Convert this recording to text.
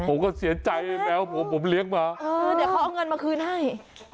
พวกนั้นผมก็เสียใจแมวผมเลี้ยงมาเออเดี๋ยวเขาเอาเงินมาคืนให้